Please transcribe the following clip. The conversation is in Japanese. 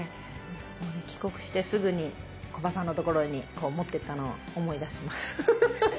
帰国してすぐに木場さんのところに持っていったのを思い出します。